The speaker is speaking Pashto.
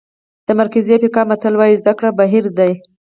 د مرکزي افریقا متل وایي زده کړه بحیره ده.